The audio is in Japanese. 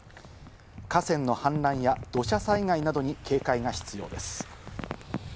河川の氾濫や土砂災害などに警戒が必要です。